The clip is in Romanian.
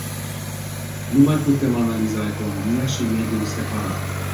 Nu mai putem analiza economia și mediul separat.